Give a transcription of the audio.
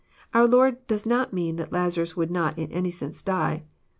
Our Lord did not mean thatliazarus would not in any sense die.